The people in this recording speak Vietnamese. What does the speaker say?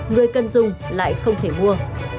người cần dùng lại không thể mua